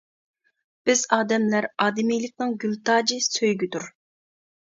بىز ئادەملەر ئادىمىيلىكنىڭ گۈل تاجى سۆيگۈدۇر.